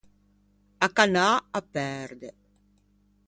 A cannâ a perde.